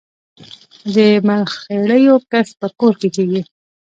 د مرخیړیو کښت په کور کې کیږي؟